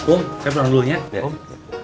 om kita pulang dulu ya om